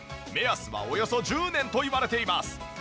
目安はおよそ１０年といわれています。